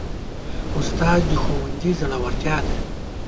استاد د ښوونځي زړورتیا ده.